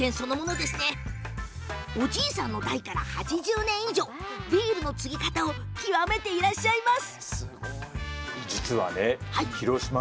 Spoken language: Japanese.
おじいさんの代から８０年以上ビールのつぎ方を極めていらっしゃいます。